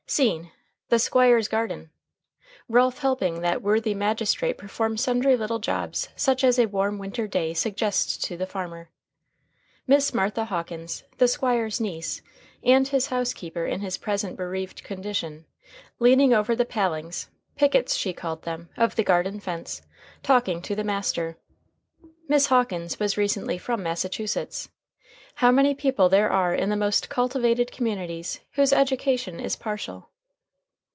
Scene, the Squire's garden. Ralph helping that worthy magistrate perform sundry little jobs such as a warm winter day suggests to the farmer. Miss Martha Hawkins, the Squire's niece, and his housekeeper in his present bereaved condition, leaning over the palings pickets she called them of the garden fence, talking to the master. Miss Hawkins was recently from Massachusetts. How many people there are in the most cultivated communities whose education is partial!